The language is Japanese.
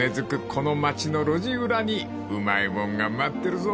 この町の路地裏にうまいもんが待ってるぞ］